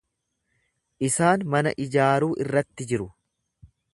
Isaan mana ijaaruu irratti jiru.